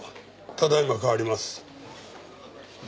ただ今代わります。